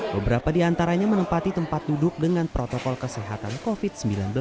beberapa di antaranya menempati tempat duduk dengan protokol kesehatan covid sembilan belas